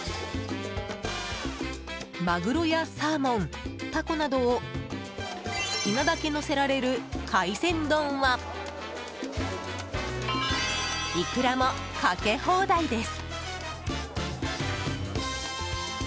マグロやサーモン、タコなどを好きなだけのせられる海鮮丼はイクラもかけ放題です。